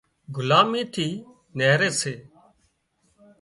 غلامي ٿِي نيهري سي